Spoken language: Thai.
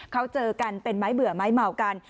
เขาเจอกันเป็นไม้เบื่อไม้เมากัน